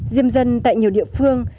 diêm dân tại nhiều địa phương